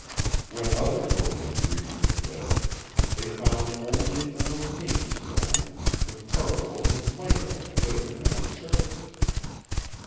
When other pilgrims reached the cliff, they found only an opaque stone, with particles of mica glittering on its surface.